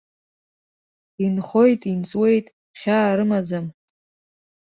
Инхоит-инҵуеит, хьаа рымаӡам!